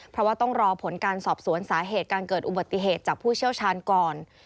เพราะว่าต้องรอผลการสอบสวนสาเหตุการเกิดอุบัติเหตุจากผู้เชี่ยวชาญก่อน